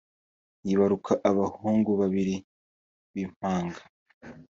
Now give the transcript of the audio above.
yibaruka abahungu babiri b’impanga